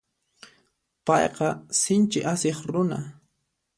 Payqa sinchi asiq runa.